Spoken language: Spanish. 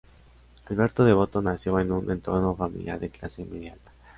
Alberto Devoto nació en un entorno familiar de clase media alta.